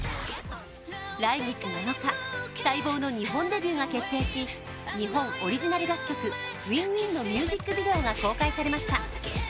来月７日、待望の日本デビューが決定し、日本オリジナル楽曲「ＷｉｎｇＷｉｎｇ」のミュージックビデオが公開されました。